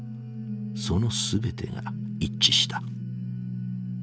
その全てが一致した。